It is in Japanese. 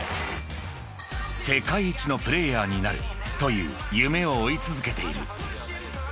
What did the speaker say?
［世界一のプレーヤーなるという夢を追い続けている］